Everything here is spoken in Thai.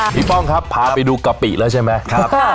ป้องครับพาไปดูกะปิแล้วใช่ไหม